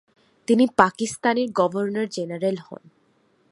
তিনি পাকিস্তানের governor general হন।